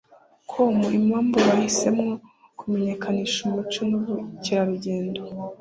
com impamvu bahisemo kumenyekanisha umuco n'ubukerarugendo